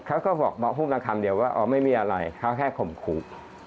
เขาก็บอกหุ้มมาคำเดียวว่าอ๋อไม่มีอะไรเขาแค่ข่มขู่